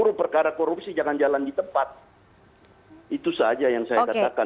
seluruh perkara korupsi jangan jalan di tempat itu saja yang saya katakan